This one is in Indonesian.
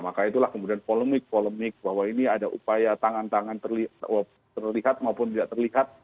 maka itulah kemudian polemik polemik bahwa ini ada upaya tangan tangan terlihat maupun tidak terlihat